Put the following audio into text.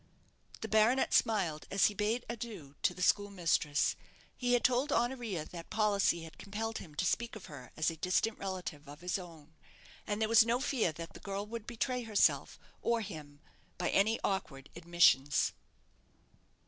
The baronet smiled as he bade adieu to the schoolmistress. He had told Honoria that policy had compelled him to speak of her as a distant relative of his own; and there was no fear that the girl would betray herself or him by any awkward admissions.